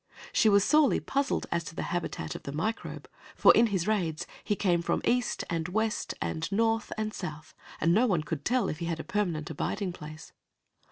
She was sorely puzzled as to the habitat of the Microbe, for in his raids he came from east and west and north and south, and no one could tell if he had a permanent abiding place.